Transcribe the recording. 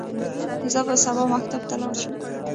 زه به سبا مکتب ته لاړ شم.